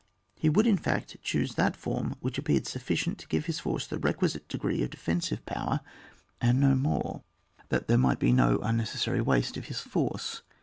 He would, in fact, choose that form which appeared sufficient to g^ve his force the requisite degree of defensive power and no more, that there might be no unneces sary waste of his force.